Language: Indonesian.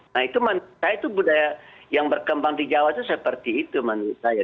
nah itu menurut saya itu budaya yang berkembang di jawa itu seperti itu menurut saya